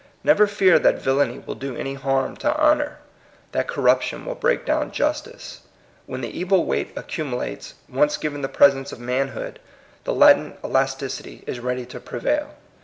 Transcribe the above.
Never fear that villany will do any harm to honor, that corruption will break down justice. When the evil weight accumulates, once given the presence of manhood, the latent elasticity is ready to prevail.